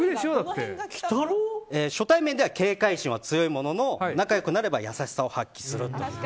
初対面では警戒心は強いものの仲良くなれば優しさを発揮すると。